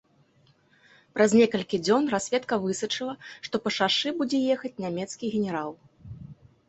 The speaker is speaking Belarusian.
Праз некалькі дзён разведка высачыла, што па шашы будзе ехаць нямецкі генерал.